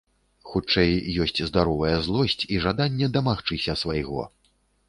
Хутчэй ёсць здаровая злосць і жаданне дамагчыся свайго.